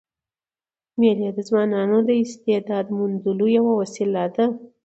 مېلې د ځوانانو د استعداد موندلو یوه وسیله ده.